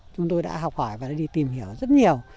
chúng tôi đã học hỏi và đi tìm hiểu rất nhiều